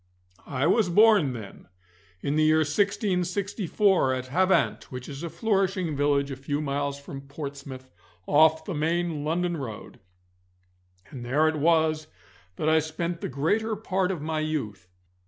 I was born then in the year 1664, at Havant, which is a flourishing village a few miles from Portsmouth off the main London road, and there it was that I spent the greater part of my youth.